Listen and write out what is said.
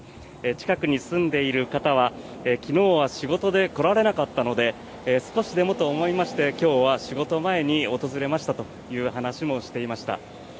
近くに住んでいる方は昨日は仕事で来られなかったので少しでもと思いまして今日は仕事前に訪れましたという話もしていました。